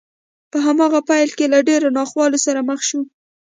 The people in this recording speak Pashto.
په هماغه پيل کې له ډېرو ناخوالو سره مخ شو.